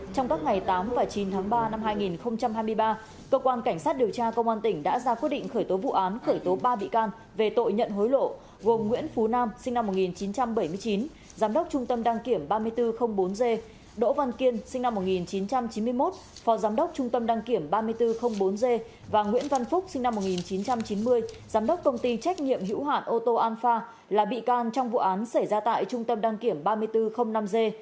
trong các ngày tám và chín tháng ba năm hai nghìn hai mươi ba cơ quan cảnh sát điều tra công an tỉnh đã ra quyết định khởi tố vụ án khởi tố ba bị can về tội nhận hối lộ gồm nguyễn phú nam sinh năm một nghìn chín trăm bảy mươi chín giám đốc trung tâm đăng kiểm ba nghìn bốn trăm linh bốn g đỗ văn kiên sinh năm một nghìn chín trăm chín mươi một phó giám đốc trung tâm đăng kiểm ba nghìn bốn trăm linh bốn g và nguyễn văn phúc sinh năm một nghìn chín trăm chín mươi giám đốc công ty trách nhiệm hữu hạn ô tô alfa là bị can trong vụ án xảy ra tại trung tâm đăng kiểm ba nghìn bốn trăm linh năm g